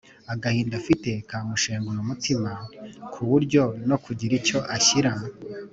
agahinda afite kamushenguye umutema ku buryo no kugira icyo ashyira